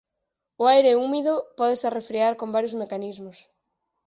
O aire húmido pódese arrefriar con varios mecanismos.